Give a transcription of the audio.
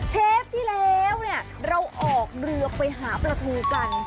เทปที่แล้วเนี่ยเราออกเรือไปหาปลาทูกัน